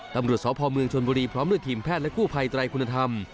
ตำรวจสพเมืองชนบุรีพร้อมด้วยทีมแพทย์และกู้ภัยไตรคุณธรรม